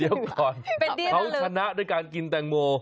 เดี๋ยวก่อนเขาชนะด้วยการกินแตงโม